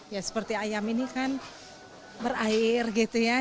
ya seperti ayam ini kan berair gitu ya